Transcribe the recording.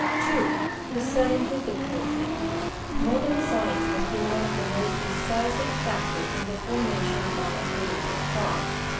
II, THE SCIENTIFIC MOVEMENT Modern science has been one of the most decisive factors in the formation of modern rehgious thought.